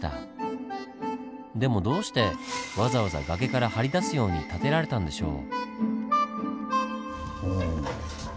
でもどうしてわざわざ崖から張り出すように建てられたんでしょう？